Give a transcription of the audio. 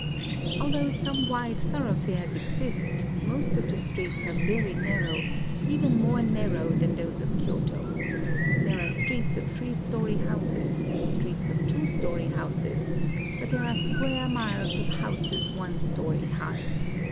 Although some wide thorough fares exist, most of the streets are very nar row, — even more narrow than those of Ky oto. There are streets of three story houses and streets of two story houses ; but there are square miles of houses one story high.